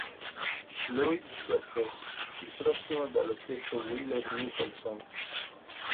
Lloyd Jacquet, il prossimo dallo stesso Wheeler-Nicholson.